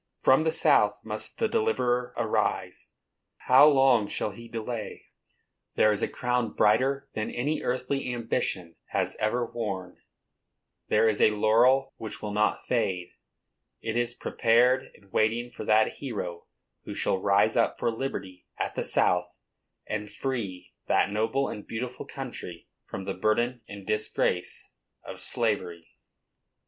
From the South must the deliverer arise. How long shall he delay? There is a crown brighter than any earthly ambition has ever worn,—there is a laurel which will not fade: it is prepared and waiting for that hero who shall rise up for liberty at the South, and free that noble and beautiful country from the burden and disgrace of slavery.